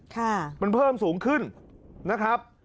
ค่ะมันเพิ่มสูงขึ้นนะครับ